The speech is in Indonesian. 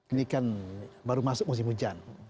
ini kan baru masuk musim hujan